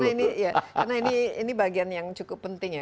karena ini bagian yang cukup penting ya